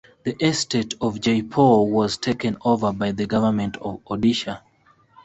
The Estate of Jeypore was taken over by the Government of Odisha.